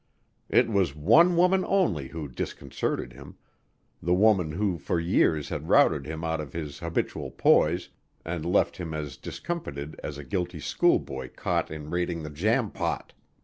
It was one woman only who disconcerted him, the woman who for years had routed him out of his habitual poise and left him as discomfited as a guilty schoolboy caught in raiding the jam pot.